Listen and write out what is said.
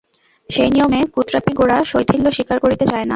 সেই নিয়মে কুত্রাপি গোরা শৈথিল্য স্বীকার করিতে চায় না।